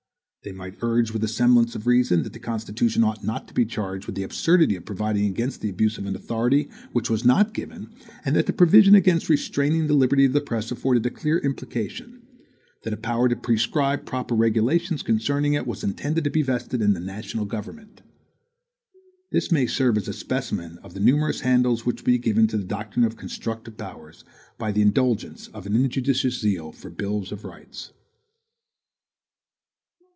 They might urge with a semblance of reason, that the Constitution ought not to be charged with the absurdity of providing against the abuse of an authority which was not given, and that the provision against restraining the liberty of the press afforded a clear implication, that a power to prescribe proper regulations concerning it was intended to be vested in the national government. This may serve as a specimen of the numerous handles which would be given to the doctrine of constructive powers, by the indulgence of an injudicious zeal for bills of rights.